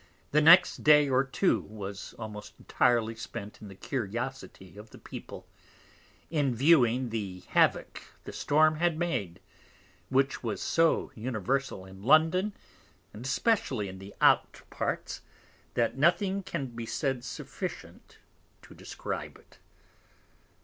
The next Day or Two was almost entirely spent in the Curiosity of the People, in viewing the Havock the Storm had made, which was so universal in London, and especially in the Out Parts, that nothing can be said sufficient to describe it.